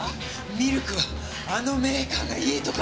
ミルクはあのメーカーがいいとか。